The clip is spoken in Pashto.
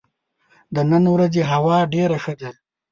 د نن ورځ هوا ډېره ښه ده.